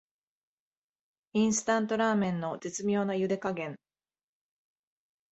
インスタントラーメンの絶妙なゆで加減